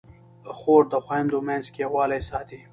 خور د خویندو منځ کې یووالی ساتي.